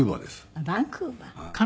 あっバンクーバー。